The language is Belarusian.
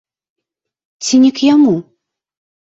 Ці не к яму?